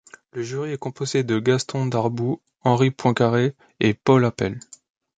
Le jury est composé de Gaston Darboux, Henri Poincaré et Paul Appell.